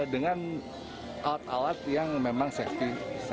dengan alat alat yang memang safety